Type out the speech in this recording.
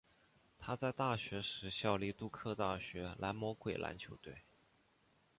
他在大学时效力杜克大学蓝魔鬼篮球队。